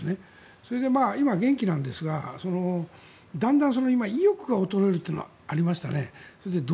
それで今、元気なんですがだんだん意欲が衰えるというのはありましたね。